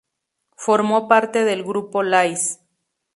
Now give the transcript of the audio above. Formó parte del grupo Lais.